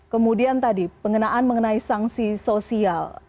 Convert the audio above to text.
kemudian tadi pengenaan mengenai sanksi sosial